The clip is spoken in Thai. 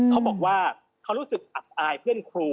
เขาบอกว่าเขารู้สึกอับอายเพื่อนครู